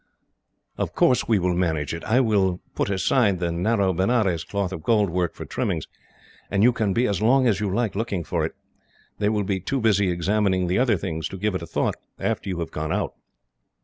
"Of course we will manage it," he said. "I will put aside that narrow Benares cloth of gold work for trimmings, and you can be as long as you like looking for it. They will be too busy examining the other things to give it a thought, after you have gone out."